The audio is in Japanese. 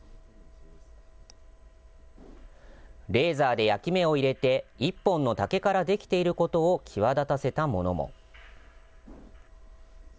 レーザーで焼き目を入れて、一本の竹から出来ていることを際立たせたものも。